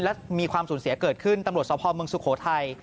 และมีความสูญเสียเกิดขึ้นตำรวจสภเมืองสุโขทัย